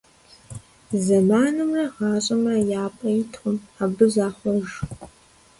Зэманымрэ гъащӀэмрэ я пӀэ иткъым, абы захъуэж.